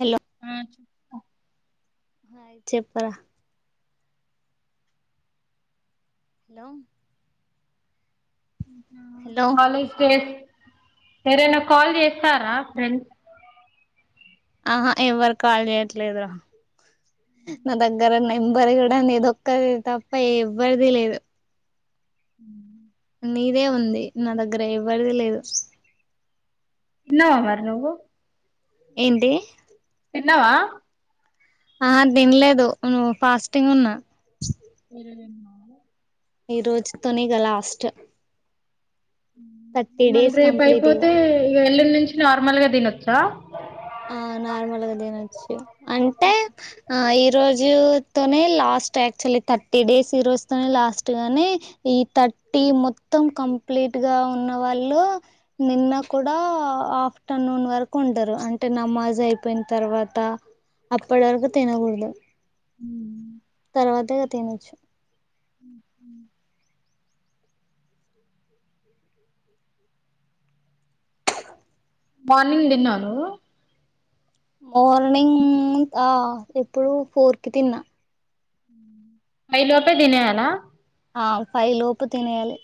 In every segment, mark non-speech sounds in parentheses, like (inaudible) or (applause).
Hello ఉమ్ చెప్పరా. Hello hello college days. ఎవ్రైనా call జేస్తారా ఫ్రెండ్స్. ఆహా ఎవ్వర్ కాల్ జెయ్యట్లేద్ రా న దగ్గర నెంబర్ గూడా నీదొక్కది తప్ప ఎవ్వర్ది లేదు. ఉ నీదే ఉంది నా దగ్గర ఎవ్వరిది లేదు తిన్నవ మరి నువ్వు ఏంటి తిన్నవ ఆ తినలేదు నువ్వు ఫాస్టింగ్ ఉన్నా ఏరడున్నా (inaudible) (inaudible) థర్టీ మలి డేస్ రెపూ కంప్లీట్ ఇగ ఐపొతె ఎ లి నుంచి నార్మల్ గా తినొచ్చా ఆ నార్మల్గా తినొచ్చు అంటే ఆ ఈ రోజుతోనే లాస్ట్ యాక్చువల్లీ థర్టీ డేస్ ఈ రోజుతోనే లాస్ట్ గాని ఈ థర్టీ మొత్తం కంప్లీట్ గా ఉన్న వాళ్ళు నిన్న కూడా ఆఫ్టర్నూన్ వరకు ఉంటారు అంటే అట్టే నమాజ్ అయిపోయిన తర్వాత అప్పటి వరకు తినకూడదు ప్రత క త వచ్చు (unintelligible) (inaudible) మార్నింగ్ తిన నువూ మార్నింగ్ ఆ ఎప్పుడు ఫోర్ కి తిన్నా పై లోపే దినేయల ఆ ఫై లోపు తినేయాలి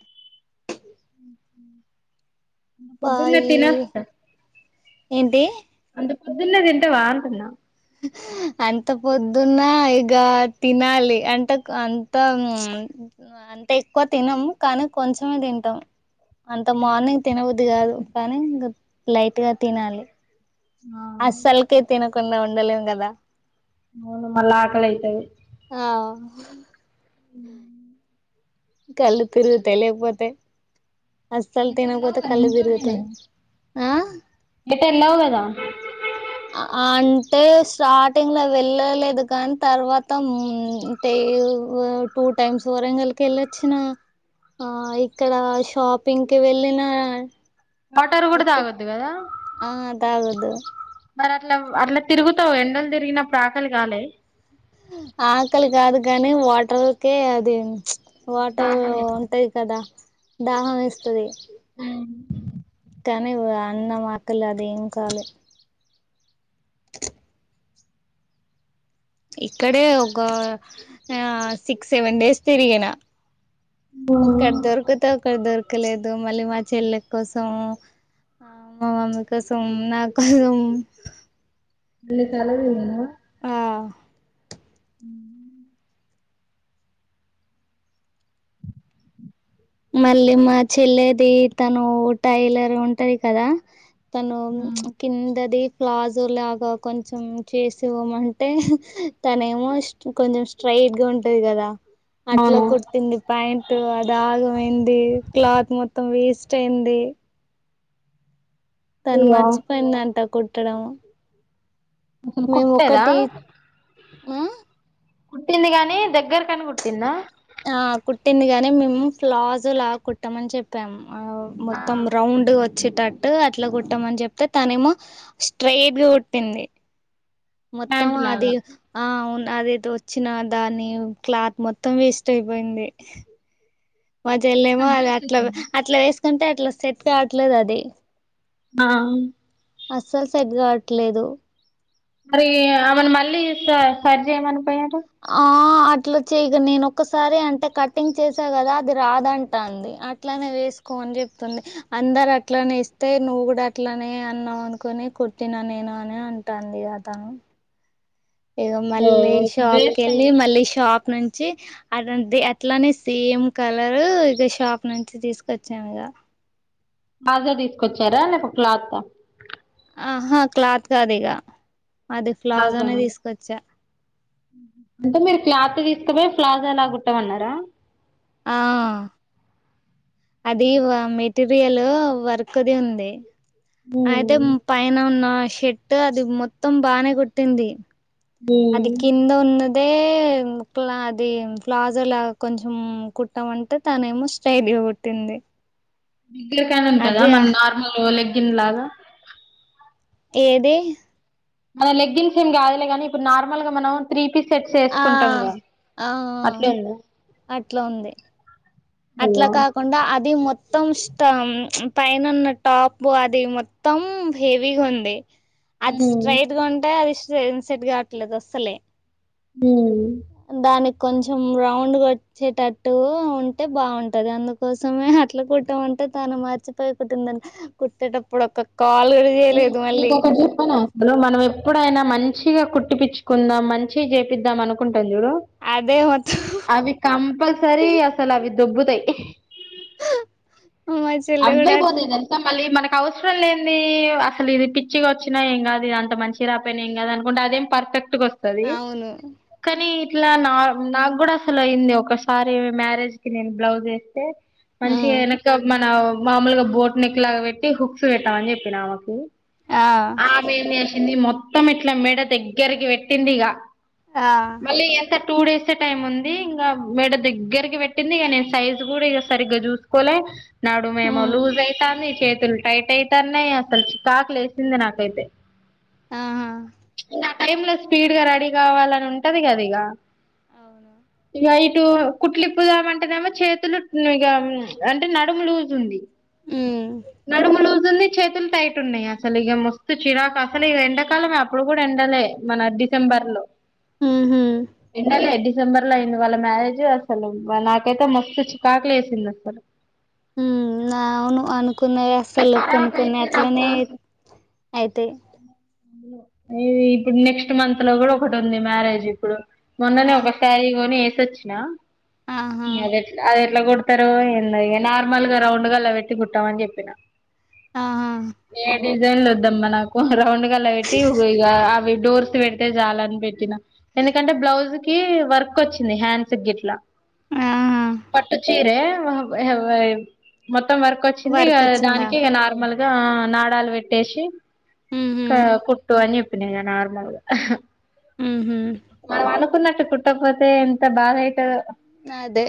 పౌలును తినొస ఫైవ్ ఏంటి అంత పొద్దున్న తింటే బ అంటున్నాం అంత పొద్దున్న ఇక తినాలి అంటే అంత అంత ఎక్కువ తినము కానీ కొంచెమే తింటాం అంత మార్నింగ్ తినబుద్ది కాదు కానీంకా లైట్గా తినాలి ఆ ఆసల్కె తినకుడా ఉండలేం కదా అవు మళ్ళా ఆకలి అయితవది అ (inaudible) ఉ కళ్ళు తిరుగుతయి లెకపోతే అసల్ తనపోత కలదిరుగుతయి ఎటు ఎళవు గద అంటే స్టార్టింగ్ లో వెళ్ళలేదు కానీ తర్వాత టే టూ టైమ్స్ వరంగల్కి వెళ్ళొచ్చినా ఆ ఇక్కడ షాపింగ్కిి వెళ్ళిన వటారు కూడా ఒక తగద్ది కదా ఆ తాగొద్దు మరి అట్లా అట్లా తిరుగుతావు ఎండలు తిరిగినపుడు అకలి కాలే ఆకలి కాదు కానీ వాటర్కే అది వాటర్ దాహం వేస్తది ఉంటాయి కదా దాహం ఇస్తుది ఆ కానీ అన్నం అక్కలు అది ఏం కాాలే (inaudible) ఇక్కడే ఒక ఆ సిక్స్ సెవెన్ డేస్ తిరిగిన ఒక్కటి మళ్ళీ దొరికుతే ఒక్కటి దొరకలేదు మళ్ళీ మ చెల్లె కోసం ఆ మా మమ్మీ కోసం నా కోసం అళ్ళ చాలవ ఇదనవ (inaudible) ఆ మళ్ళీ మా చెల్లది తను టైలర్ ఉంటది కదా తను కిందది ప్లాజ్ అలాగా కొంచం చేసేవ అంటే తనే ఏమో కొంచెం స్ట్రైట్ గా ఉంటది కదా అట్లా అవును కుటింది ప్యాయింట్ అద క్లాత్ మొత్తం వేస్ట్ అయింది తను ఇగ మర్చిపోయిందంట కుట్టడం అసలు మేము కుట్టలేదా ఒకటి ఆ కుుట్టింది గాని దగ్గరకని కుుట్టింద ఆ కుట్టింది గాని మేము ఫ్లాజో లాగా కుట్టమని చెప్పాము ఆ మొత్తం రౌండ్ వచ్చేటట్టు అట్లా కుట్టమని చెప్తే తనేమో స్ట్రయిట్ గా కుట్టింది మొత్తం ప్యాంట్ అది లాగా ఆవును అదైతే వచ్చినా దాని క్లాత్ మొత్తం వేస్ట్ అయిపోయింది మా చెల్లేమో కట్ అల అట్ల చేసేసిందా అట్లా వేస్ ఎట్లంటే అట్లా సెట్ కావట్లేదు అది ఆ అస్సలు సెట్ కావట్లేదు మరి ఆమెను మళ్ళీ సరి సరిచేయమని పోయావ ఆ అట్లా చేయదు నేను ఒక్కసారి అంటే కటింగ్ చేసా కదా అది రాదంటా అంది అట్లానే వేసుకో అని చెప్తుంది అందరు అట్లనే ఇస్తే నువ్వు కూడా అట్లానే అన్నావు అనుకుని కుట్టినా నేను అని అంటుంది తను ఏదో మళ్ళీ ఇప్పుడు షాప్కి వేస్ట్ వెళ్ళి అయింది మళ్ళీ షాప్ నుంచి చ్చ అ అట్లానే సేమ్ కలరు ఇక షాప్ నుంచి తీసుకొచ్చాను ఇక ఫ్లాజో తీసుకొచ్చారా లేక క్లాత్ ఆహా క్లాత్ కాదు ఇక అది ఫ్లాజ్ అనే ప్లాజోనే తీసుకొచ్చా అంటే మీరు క్లాత్ తీసుకుపోయి ప్లాజో లా కుట్టమన్నారా ఆ అది మెటీరియల్ వర్క్ ది ఉంది అయితే ఉమ్ పైన ఉన్న షెట్ అది మొత్తం బానే కొట్టింది అది కింద ఉన్నది దే ఇంట్ల అది ప్లాజో లా కొంచెం కుట్ట మంటే తనే ఏమో స్టైట్ లాగ కుట్టింది కైనా ఉంటదా అదే మన నార్మల్ ల ఇలాగా ఏదే మన లెగ్గిన్ సేమ్ కావాలేగానీ ఇప్పుడు నార్మల్ గా మనం త్రీ పీసెస్ ఆ ఆ అట్లుందా అట్లు ఉంది అట్లా కాకుండా అది మొ మొత్తం ష్టం పైన ఉన్న టాప్ అది మొత్తం హెవీగా ఉంది అది ఉమ్ స్ట్రైట్ గా ఉంటె అది జెమ్ సెట్ కాట్లేదు అస్సలే ఉమ్ దాని కొంచం రౌండ్ వచ్చేటట్టు ఉంటే బాగుంటది అందుకోసమే అట్ల కుట్టామంటే తాను మర్చిపోయి కుట్టింద కుట్టేటప్పుడు ఒక్ కాల్ గుడ చెయ్యలేదు మళ్ళీ హలో మనం ఎప్పుడైనా మంచిగా కుట్టి పిచ్చుకుందాం మంచి చేపిద్దాం అనుకు పాన్ చూడు అదే మొత్తం అవి కంపల్సరి అసలు అవి దొబ్బుతై మా చెల్లె అవ్వె కూడా పోతై అట్లా తెల్సా మళ్ళీ మనక్ అవసరం లేం ది అసలు ఇవి పిచ్చిగా వచ్చినయి ఏం గాదు అంత మంచిగా రాపోయినా ఏం కాదు అనుకుంటే అదే పర్ఫె ట్ గ వస్తది అవును కానీ ఇట్ల నా నాకు కూడా అసలు అయ్యింది ఒకసారి మ్యారేజ్ కి నేను బ్లౌజ్ ఎస్తే మంచిగ ఉమ్ యనక్క మన మామూల్గా బోట్ నెక్ లాగ పెట్టి హుక్స్ పెట్టామని చెప్పిన ఆమెకి ఉ ఆ ఆమె ఏం జెష్ ఇది మొత్తం ఇట్ల మెడ దగ్గరికి పెట్టింది ఇగ ఆ మళ్ళీ ఎంతట్ టూ డేస్ టైం ఉంది ఇంగ మెడ దెగ్గర్కి పెట్టింది ఇగ నేను సైజ్ కూడా ఇక సరిగ్గా చూసుకోలే నడుము ఎమో ఉమ్ లూజ్ అయితాంది చే సెల్ టైట్ అయితాన్నె అసలు షాక్ లేసింది నాకైతే ఆ ఇంకా ఆ టైమ్ లో స్పీడ్గా రెడీ కావాలని ఉంటది గదా ఇగ అవును ఇగ యి ఇటు కుట్లిప్పు ద్దామ్ అంటేనేమో చేతులు ఇగ అంటే నడుము లూజ్ ఉంది ఉమ్ తుంది చేతులు టైట్ ఉన్నయి అసలు ఇగ మస్తు చిరాకు అసలు ఈ ఎండాకాలమే అప్పుడు కూడ ఎండలే మన డిసెంబర్ లో ఉహు ఎండలే అండి డిసెంబర్ లో అయింది వాళ్ళ మ్యారేజ్ అసలు నాకైతే మస్తు చికాకు ఎసింది అసలు ఉయ్ అవును అన్ కొన్న యి అసలు కొన్ని ఖరాబ్ కొన్ని అయితే నాకు అట్లనే అయితే ఇప్పుడు నెక్స్ట్ మంత్ లో కూడా ఒకటి ఉంది. మ్యారేజ్ ఇప్పుడు మొన్ననే ఆ ఒక క్యారీ కొని తేచ్చిన ఆహా ఇగా అదేట్లా అదే ఏట్లా కుడతారు ఎందో ఇగా నార్మల్ గా రౌండ్ గళ్ళా పెట్టి కుట్టామని చెప్పిన ఆహా ఏ డిజైన్లు వద్దమ్మ నాకు ఓహ్ రౌండ్ కి గల్లా బట్టి (unintelligible) ఇగా డోర్స్ పెడితే చాలు అని పెట్టినా ఎందుకు అంటే బ్లౌజ్ కి వర్క్ వచ్చింది. హాండ్స్ గిట్లా ఆహా పట్టుచీరే (unintelligible) మొ మొత్తం వర్క్ వచ్చింది. ఇగ వర్క్ వచ్చిందా దానికే ఇగా నార్మల్ ఇగా నాడాలు పెట్టేసి ఉహు నార్మల్గా ఉహు (unintelligible) అనుకున్నట్టు కుట్టకపోతే ఎంత బాధయితాదో అదే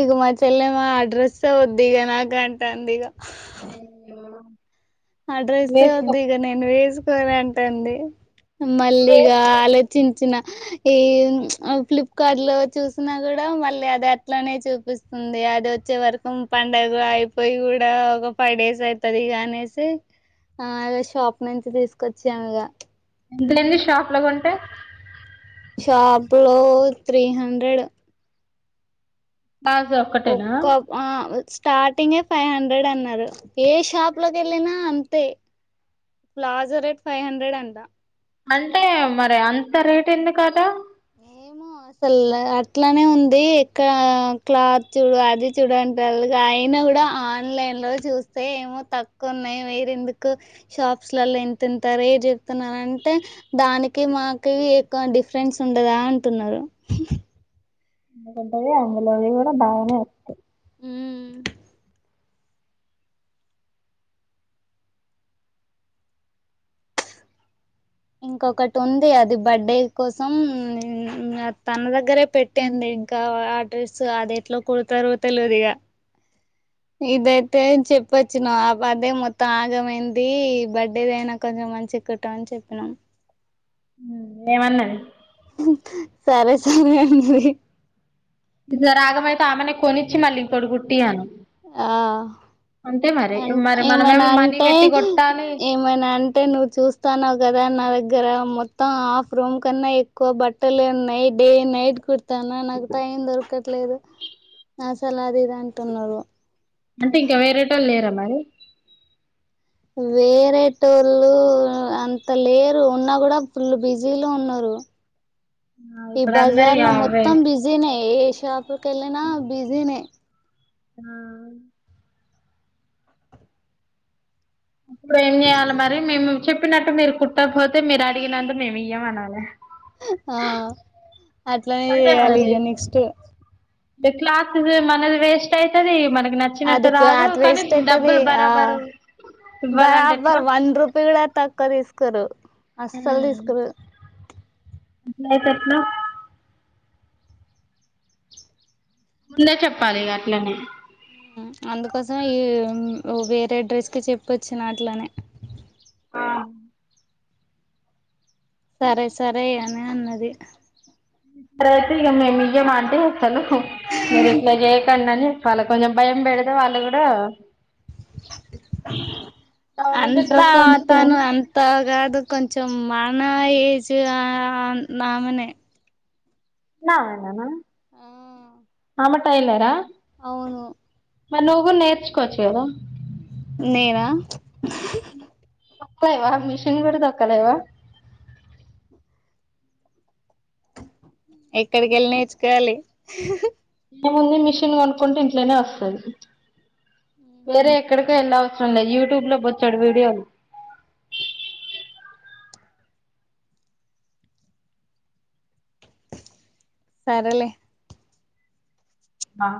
ఇగ మా చెల్లెమె అడ్రెస్ వద్దు ఇగా నాకు అంటాంది ఇగా అ అడ్రస్ వద్దు ఇగా నేను వేస్ట్ కొనానంటుంది. మళ్ళీ ఇగా వేసుకో ఆలోచిం చిన్న ఈ ప్చ్ ఫ్లిప్కార్ట్ లో చూసినా కూడా మళ్ళీ అది అట్లానే చూపిస్తుంది. అది వచ్చే వరకు పండుగ అయిపోయి కూడా ఒక ఫైవ్ డేస్ అయితాది. ఇగా అనేసి ఆ అదే షాప్ నుంచి తీసుకొచ్చాము. ఇగా ఎంతలైంది షాప్ల కొంటే షాప్ లో త్రీ హండ్రెడ్ ప్లాజో ఒక్కటేనా ఒక్క ఆ స్టార్టింగే ఫైవ్ హండ్రెడ్ అన్నారు. ఏ షాప్ లోకి వెళ్ళినా అంతే ప్లాజో రేట్ ఫైవ్ హండ్రెడ్ అంట అంటే మరి అంత రేట్ ఎందుకాట ఏమో అసలు అట్లానే ఉంది. ఇక్క క్లాత్ చూడు అది చూడ అంటాళ్లు అయినా కూడా ఆన్లైన్ లో చూస్తే ఏమో తక్కువ ఉన్నాయి. మీరెందుకు షాప్స్లలో ఇంతింత రేట్ చెప్తున్నారాంటే దానికి మాకు ఎక్కువ డిఫరెన్స్ ఉండదా అంటున్నారు ఎందుకుంటది అందులోవి కూడా బానే వత్తాయ్ హు ఇంకొకటుంది. అది బర్త్డే కోసం హు ఆ తన దగ్గరే పెట్టానికా ఆ డ్రెస్ అది ఎట్లో కుడతారో తెల్వదిగా. ఇదైతే చెపొచ్చిన ఆ బర్డే మొత్తం ఆగమైంది. ఈ బర్త్డేదైనా కొంచం మంచి గా కుట్టమని. చెప్ నాన్ ఏమన్నది సారే సారే అన్నది. ఈసారి ఆగంమైతే ఆమెనే కొనిచ్చి మళ్ళీ ఇంకోటి కుట్టియను ఆ అం మరి ఏమి అయినా మనమేమో మనీ అంటే పెట్టి కొట్టాలి ఏమైనా అంటే నువ్వు చూస్తాన్నావు కదా నా దగ్గ దగ్గర మొత్తం హాఫ్ రూమ్ కన్నా ఎక్కువ బట్లేన్నాయ్. డే నైట్ కుడతాను నాకు టైం దొరకట్లేదు అసలు అది ఇది అంటున్నారు అంటే ఇంకా వేరేటోల్లేరా మరి వేరే టోళ్ళు అంత లేరు. ఉన్నా కూడా ఫుల్లు బిజీలున్నారు. ఈ ఇప్పుడు అందరి బజార్లో అవే మొత్తం బిజీనే ఏ షాపు పెళ్ళినా బిజీనే ఆ ఇప్పుడు ఏం చేయాలి మరి మీముం చెప్పినట్టు మీరు కుట్టపోతే మీరు అడిగినందు మీము ఇయ్యము అనలే. ఆ అట్లనే చేయాలిగా నెక్స్ట్ టే క్లాతుజు మనది వెస్టైతది. మన అది క్లాత్ వెస్టైతది. ఆ బరాబరు ఇవ్వాలంటే బరాబర్ ఎట్లా వన్ రూపీ కూడా తక్కవా తీసుకోరు అసల్ దిస్కోరు అట్లైతేట్ల ముందే చెప్పాలిగా అట్లనే హు అందుకోసం ఈ ఓ వేరే డ్రెస్కి చెపొచ్చిన అట్లనే ఆ సరే సరే యానే అన్నది ప్రతి ఇగా మేమియమంటే ఎందుకు మీరు ఇట్ల జేయకండని కాళ్ళ కొంచం భయం బెడితే వాళ్ళు గూడా కావాలంటే అంత డ్రెస్ అతను అంచుకోమని అంతగాదు కొచ్చు తో మన ఏజ్ ఆ ఆన్ ఆమనే నాన్నమ్మ ఆఆ ఆమ టైలరా అవును మరి నువ్వు గుడ్ నేర్చుకోవచ్చు కదా నేనా పోయివా మిషిన్ కూడా తొక్కలేవా ఎక్కడికేళ్ళి నేర్చుకోవాలి ఏమి ఉంది మిషన్ కొనుకుంటే ఇంట్లనే వస్తది వేరే ఎక్కడికో ఎల్లావ్స్ కొన్నాయ్ యూట్యూబ్ లో బొచ్చడు వీడియోలు సరేలేే మా